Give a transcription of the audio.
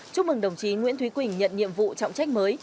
chúc mừng đồng chí nguyễn thúy quỳnh nhận nhiệm vụ trọng trách mới